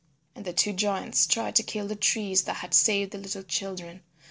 And the two giants tried to kill the trees that had saved the little children.